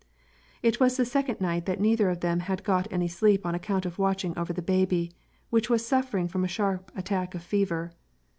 It was the second night that neither of them had got any sleep on account of watching over the baby, which was suffer ing from a sharp attack of fever.